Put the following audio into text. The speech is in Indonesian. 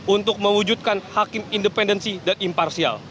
untuk mewujudkan hakim independensi dan imparsial